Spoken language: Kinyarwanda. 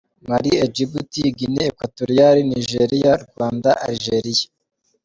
Mali, Egypt, Guinee equatoriale, Nigeria, Rwanda, Algeria.